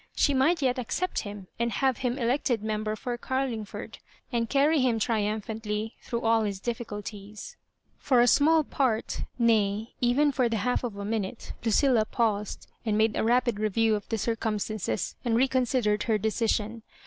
She might yet accept him, and have him elected member for Carlingford, and carry him trium phantly through all his difificaltiea For a small part— nay, even for the half of a minute^Lucilla paused, and made a rapid review of the circum stances, and reconsidered her decision.